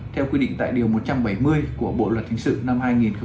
theo quy định tại điều một trăm bảy mươi của bộ luật hình sự năm hai nghìn một mươi năm